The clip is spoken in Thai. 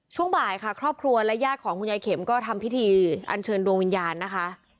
ช่วงบ่ายค่ะครอบครัวและญาติของคุณยายเข็มก็ทำพิธีอันเชิญดวงวิญญาณนะคะ